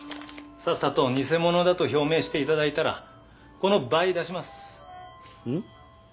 さっさと偽物だと表明していただいたらこの倍出します。